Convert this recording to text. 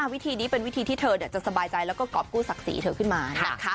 วิธีนี้เป็นวิธีที่เธอจะสบายใจแล้วก็กรอบกู้ศักดิ์ศรีเธอขึ้นมานะคะ